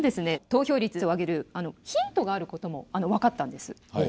投票率を上げるヒントがあることも分かったんです。